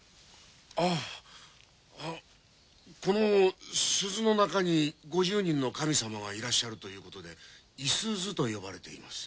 ああこの鈴の中に５０人の神様がいらっしゃるということで五十鈴と呼ばれています。